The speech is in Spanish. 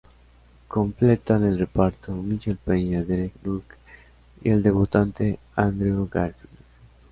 Completan el reparto Michael Peña, Derek Luke y el debutante Andrew Garfield.